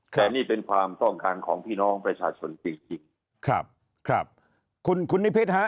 แต่นี่เป็นความต้องการของพี่น้องประชาชนจริง